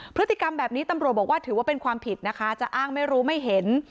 พฤติกรรมแบบนี้ตำรวจบอกว่าถือว่าเป็นความผิดนะคะจะอ้างไม่รู้ไม่เห็น